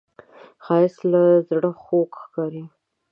ښایست له زړه خوږ ښکاري